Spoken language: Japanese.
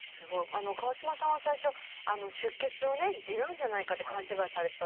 川島さんは最初出血をね痔なんじゃないかって勘違いされてた。